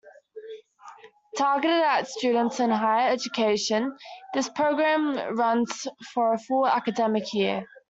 Targeted at students in higher education, this programme runs for a full academic year.